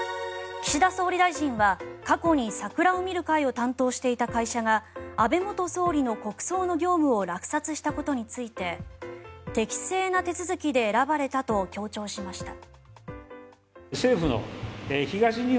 岸田総理大臣は、過去に桜を見る会を担当していた会社が安倍元総理の国葬の業務を落札したことについて適正な手続きで選ばれたと強調しました。